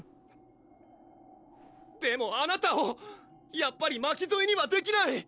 でもあなたをやっぱりまきぞえにはできない！